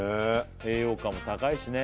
栄養価も高いしね